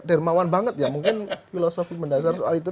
dermawan banget ya mungkin filosofi mendasar soal itu